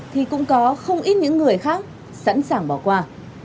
thì cũng có không ít những người khác sẵn sàng bỏ qua